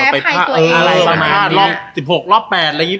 แพ้ภายตัวเองอะไรประมาณนี้ลอง๑๖รอบ๘อะไรอย่างงี้